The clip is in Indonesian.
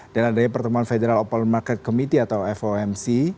dan adanya pertemuan federal opal market committee atau fomc